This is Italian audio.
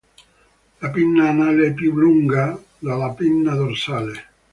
La pinna anale è più lunga della pinna dorsale.